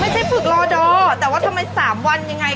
ไม่ใช่ฝึกลอดอร์แต่ว่าทำไม๓วันยังไง